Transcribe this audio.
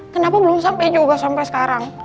kenapa belum sampai juga sampai sekarang